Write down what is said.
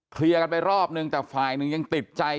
เคลียร์กันไปรอบนึงแต่ฝ่ายหนึ่งยังติดใจ